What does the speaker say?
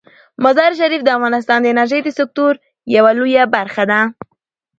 مزارشریف د افغانستان د انرژۍ د سکتور یوه لویه برخه ده.